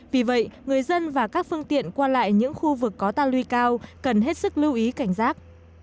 vì vậy người dân và các phương tiện qua lại những khu vực có tà lưu cao cần hết sức lưu ý cảnh giác